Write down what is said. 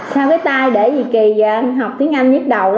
sao cái tay để dì kỳ học tiếng anh nhít đầu lắm hả